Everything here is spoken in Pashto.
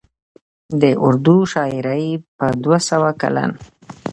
د اردو شاعرۍ په دوه سوه کلن